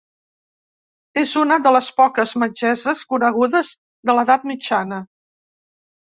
És una de les poques metgesses conegudes de l'Edat Mitjana.